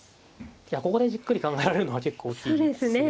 いやここでじっくり考えられるのは結構大きいですね。